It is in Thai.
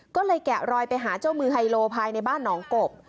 ก็เลยแกะรอยไปหาเจ้ามือไฮโลภายในบ้านหนองกบ